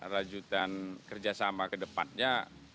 rajutan kerjasama ke depannya